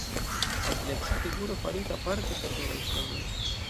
Amplekse, figuro farita parte per belaj ŝtonoj".